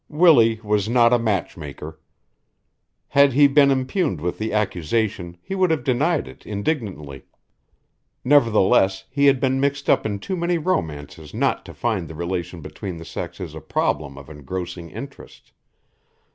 Willie was not a matchmaker. Had he been impugned with the accusation he would have denied it indignantly: Nevertheless, he had been mixed up in too many romances not to find the relation between the sexes a problem of engrossing interest.